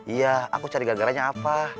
iya aku cari garanya apa